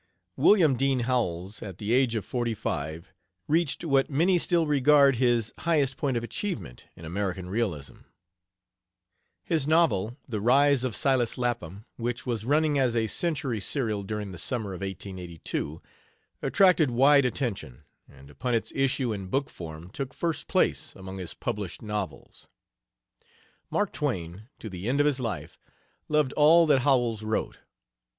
William Dean Howells, at the age of forty five, reached what many still regard his highest point of achievement in American realism. His novel, The Rise of Silas Lapham, which was running as a Century serial during the summer of 1882, attracted wide attention, and upon its issue in book form took first place among his published novels. Mark Twain, to the end of his life, loved all that Howells wrote.